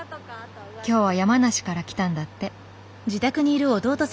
今日は山梨から来たんだって。